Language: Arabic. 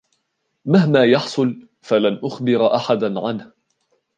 مهما يحصل ، فلن أخبر أحدًا عنه.